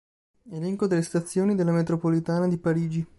Elenco delle stazioni della metropolitana di Parigi